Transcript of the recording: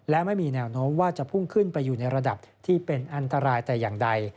และไม่มีแนวโน้มว่าจะพุ่งขึ้นไปอยู่ในระดับที่เป็นอันตรายแต่อย่างใด